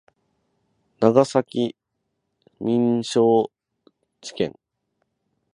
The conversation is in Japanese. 川崎民商事件